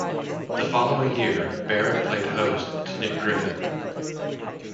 The following year Barrett played host to Nick Griffin.